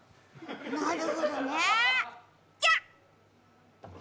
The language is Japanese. なるほどね、じゃ。